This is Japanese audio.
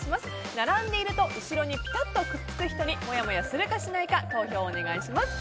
並んでいると後ろにぴたっとくっつく人にもやもやするかしないか投票をお願いします。